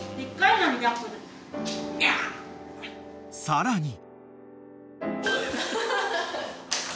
［さらに］